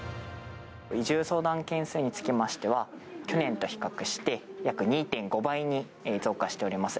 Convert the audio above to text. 移住相談件数につきましては、去年と比較して約２．５倍に増加しております。